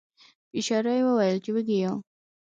په اشاره یې وویل چې وږي یو.